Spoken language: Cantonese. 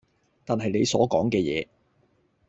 但係你所講嘅嘢